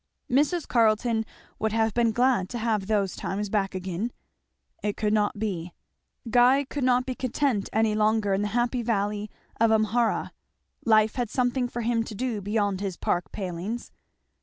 Mrs. Carleton would have been glad to have those times back again. It could not be. Guy could not be content any longer in the Happy Valley of Amhara. Life had something for him to do beyond his park palings.